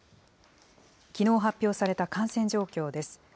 きのう発表された感染状況です。